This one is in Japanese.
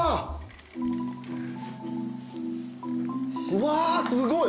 うわすごい。